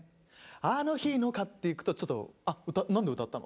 「あの日の」っていくとちょっと何で歌ったの？